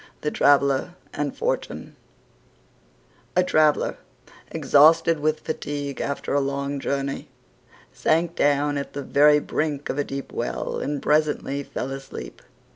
THE TRAVELLER AND FORTUNE A Traveller, exhausted with fatigue after a long journey, sank down at the very brink of a deep well and presently fell asleep.